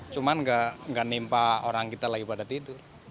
cuman gak nipah orang kita lagi pada tidur